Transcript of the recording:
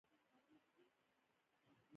د وخت نه مخکښې بوډا کړے وۀ ـ